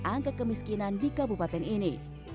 angka kemiskinan di kabupaten ini